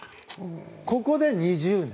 ここで２０年。